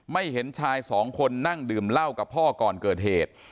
ไม่เห็นชายสองคนนั่งดื่มเหล้ากับพ่อก่อนเกิดเหตุ